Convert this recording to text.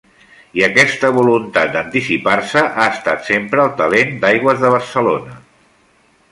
I aquesta voluntat d'anticipar-se ha estat sempre el talent d'Aigües de Barcelona.